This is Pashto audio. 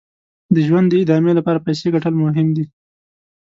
د ژوند د ادامې لپاره پیسې ګټل یې مهم دي.